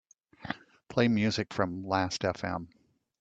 Play music from Lastfm.